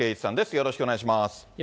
よろしくお願いします。